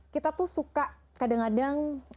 kita tuh suka kadang kadang